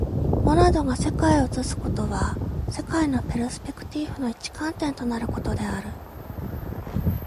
モナドが世界を映すことは、世界のペルスペクティーフの一観点となることである。